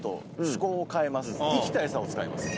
生きた餌を使います。